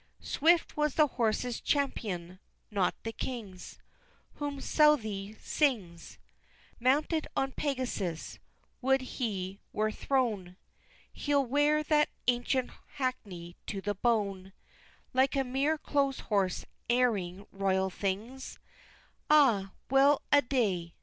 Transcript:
Swift was the horse's champion not the King's, Whom Southey sings, Mounted on Pegasus would he were thrown! He'll wear that ancient hackney to the bone, Like a mere clothes horse airing royal things! Ah well a day!